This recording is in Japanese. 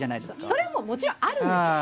それはもうもちろんあるんですよ。